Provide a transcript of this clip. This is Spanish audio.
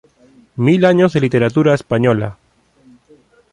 Mil años de literatura española".